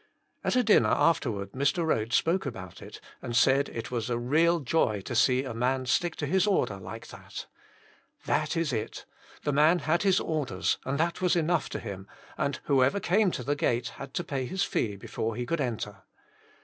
At a dinner afterward Mr. Rhodes spoke about it, and said it was a real joy to see a man stick to his order like that. That is it. The man had his orders, and that was enough to him, and whoever came to the gate had to pay his fee before he could enter.